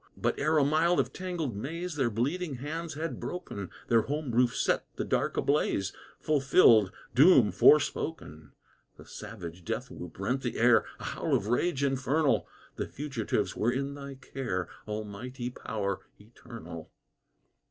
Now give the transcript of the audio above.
But ere a mile of tangled maze Their bleeding hands had broken, Their home roof set the dark ablaze, Fulfilling doom forespoken. The savage death whoop rent the air! A howl of rage infernal! The fugitives were in Thy care, Almighty Power eternal!